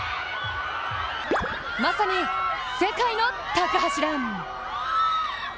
まさに、世界の高橋藍。